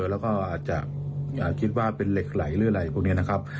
แล้วก็อาจจะคิดว่าเป็นเหล็กไหลหรืออะไรพวกนี้นะครับ